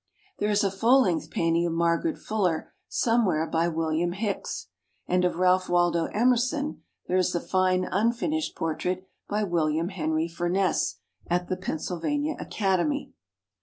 There is a full length painting of Margaret Fuller some where by William Hicks, and of Ralph Waldo Emerson there is the fine un finished portrait by William Henry Furness at the Pennsylvania Academy.